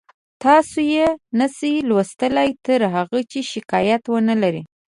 تاسو یې نشئ لوستلی تر هغه چې شکایت ونلرئ